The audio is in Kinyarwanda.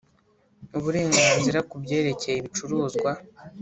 uburenganzira ku byerekeye ibicuruzwa